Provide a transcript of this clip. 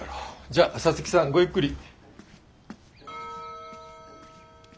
じゃあ皐月さんごゆっくり。